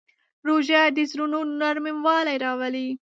روژه د زړونو نرموالی راوړي.